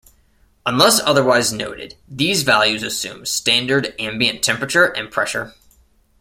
Unless otherwise noted, these values assume standard ambient temperature and pressure.